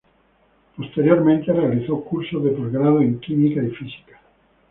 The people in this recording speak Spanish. Posteriormente realizó cursos de posgrado en química y física.